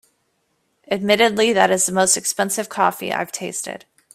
Admittedly, that is the most expensive coffee I’ve tasted.